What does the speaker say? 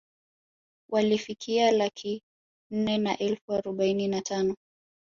Vilifikia laki nne na elfu arobaini na tano